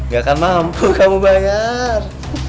gak akan mampu kamu bayar